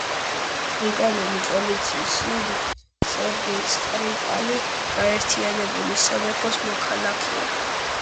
ბრიტანული პოლიციის ცნობით, სერგეი სკრიპალი გაერთიანებული სამეფოს მოქალაქეა.